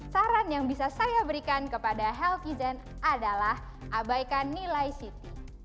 saran yang bisa saya berikan kepada healthy zen adalah abaikan nilai ct